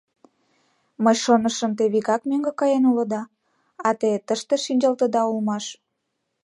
Мый шонышым, те вигак мӧҥгӧ каен улыда, а те тыште шинчылтыда улмаш.